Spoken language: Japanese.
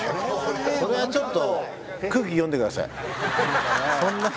それは、ちょっと空気読んでください。